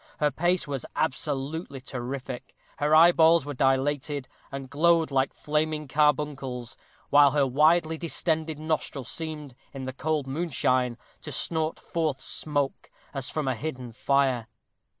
Her pace was absolutely terrific. Her eyeballs were dilated, and glowed like flaming carbuncles; while her widely distended nostril seemed, in the cold moonshine, to snort forth smoke, as from a hidden fire.